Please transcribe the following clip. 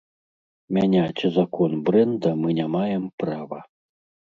Мяняць закон брэнда мы не маем права.